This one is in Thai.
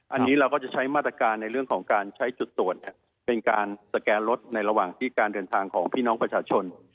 อันนี้เราก็จะใช้มาตรการในเรื่องของการใช้จุดตรวจเป็นการสแกนรถในระหว่างที่การเดินทางของพี่น้องประชาชน